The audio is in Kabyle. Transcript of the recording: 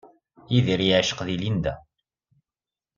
Yidir yeɛceq di Linda.